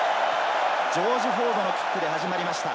ジョージ・フォードのキックで始まりました。